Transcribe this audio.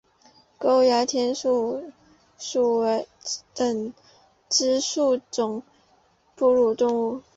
沟牙田鼠属等之数种哺乳动物。